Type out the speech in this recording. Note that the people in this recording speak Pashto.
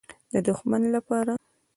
_د دښمن له پاره.